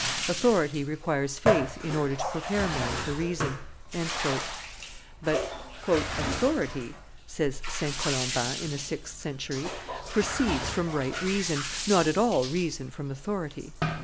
... Authority requires faith in order to prepare man for reason." But "authority," said St. Columban, in the sixth century, "proceeds from right reason, not at all reason from authority.